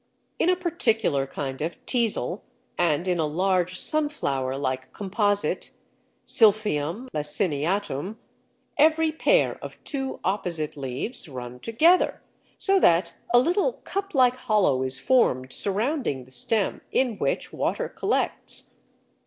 In a particular kind of Teazle and in a large Sunflower like Composite (Silphium laciniatum) every pair of two opposite leaves run together, so that a little cup like hollow is formed surrounding the stem, in which water collects.